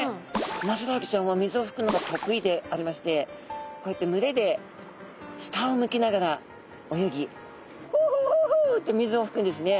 ウマヅラハギちゃんは水をふくのがとくいでありましてこうやって群れで下をむきながら泳ぎふふふふって水をふくんですね。